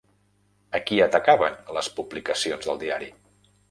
A qui atacaven les publicacions del diari?